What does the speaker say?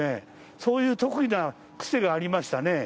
そういう特異な癖がありましたね。